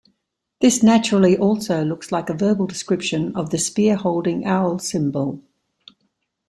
This naturally also looks like a verbal description of the spear-holding owl symbol.